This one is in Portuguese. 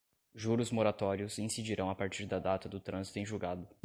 juros moratórios incidirão a partir da data do trânsito em julgado